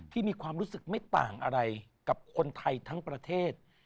มีความรู้สึกไม่ต่างอะไรกับคนไทยทั้งประเทศ